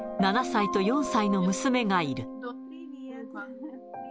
７歳と４歳の娘がいる。